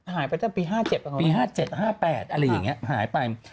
หายไปตั้งแต่ปี๕๗ปี๕๗๕๘อะไรอย่างนี้หายไป